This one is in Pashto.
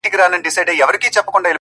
تر شا راپسي ږغ کړي چي جان – جان مبارک